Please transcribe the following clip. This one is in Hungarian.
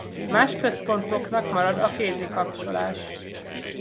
Más központoknak marad a kézi kapcsolás.